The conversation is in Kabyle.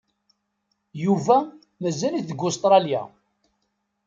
Yuba mazal-it deg Ustṛalya.